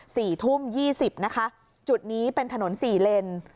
สี่ทุ่มยี่สิบนะคะจุดนี้เป็นถนนสี่เลน